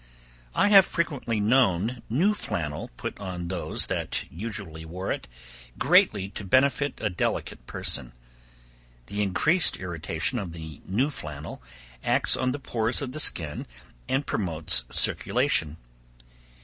I have frequently known new flannel put on those that usually wore it, greatly to benefit a delicate person. The increased irritation of the new flannel acts on the pores of the skin and promotes circulation.